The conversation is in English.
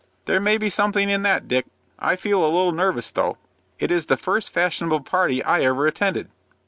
"There may be something in that, Dick. I feel a little nervous though. It is the first fashionable party I ever attended."